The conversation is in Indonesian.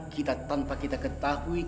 kita tanpa kita ketahui